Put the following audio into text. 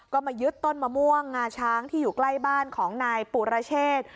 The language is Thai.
ก็มายึดต้นมะม่วงงาช้างที่อยู่ใกล้บ้านของนายปุรเชษ